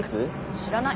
知らない。